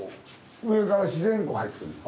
上から自然光入ってくるんよ。